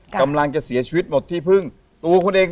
กำลังจะเสียชีวิตหมดที่พึ่ง